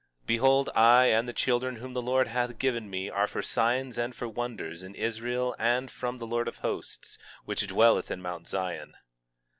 18:18 Behold, I and the children whom the Lord hath given me are for signs and for wonders in Israel from the Lord of Hosts, which dwelleth in Mount Zion.